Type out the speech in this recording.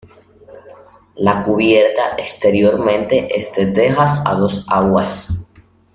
La cubierta exteriormente es de tejas a dos aguas.